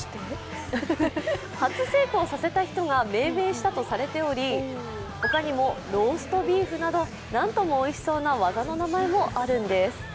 初成功させた人が命名したとされておりほかにもローストビーフなどなんともおいしそうな技の名前もあるんです。